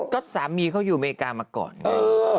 ก็สามีเขาอยู่อเมริกามาก่อนไง